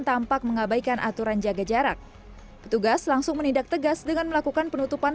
tampak mengabaikan aturan jaga jarak petugas langsung menindak tegas dengan melakukan penutupan